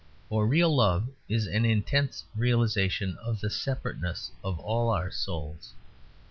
For real love is an intense realisation of the "separateness" of all our souls.